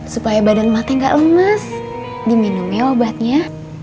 supaya badan matanya enggak lemas diminum ya obatnya